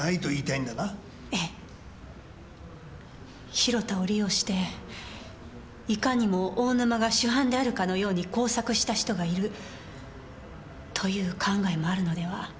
広田を利用していかにも大沼が主犯であるかのように工作した人がいるという考えもあるのでは？